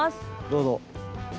どうぞ。